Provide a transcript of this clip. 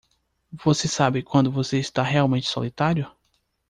Você sabe quando você está realmente solitário?